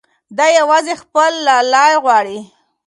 دی یوازې خپل لالی غواړي.